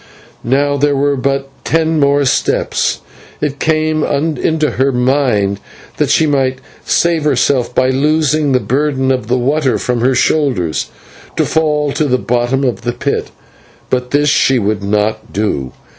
Now there were but ten more steps. It came into her mind that she might save herself by loosing the burden of water from her shoulders, to fall to the bottom of the pit, but this she would not do.